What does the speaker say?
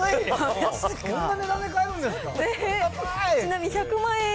こんな値段で買えるんですか安ーい。